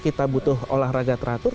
kita butuh olahraga teratur